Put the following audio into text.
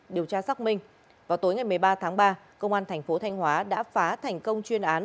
điều tra xác minh vào tối ngày một mươi ba tháng ba công an thành phố thanh hóa đã phá thành công chuyên án